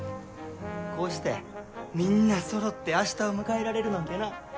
こうしてみんなそろって明日を迎えられるなんてな。